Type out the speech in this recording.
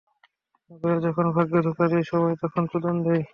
যখন ভাগ্য ধোকা দেয়, সবাই তখন চোদন দেয়।